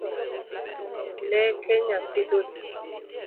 Leke nyathi oti?